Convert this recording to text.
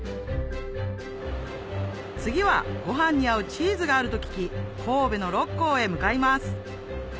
次はご飯に合うチーズがあると聞き神戸の六甲へ向かいます